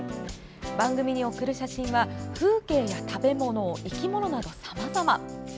番組に送る写真は風景や食べ物、生き物などさまざま。